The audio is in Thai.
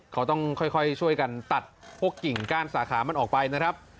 เขาต้องค่อยช่วยกันตัดพวกกิ่งก้านสาขามันออกไปนะครับ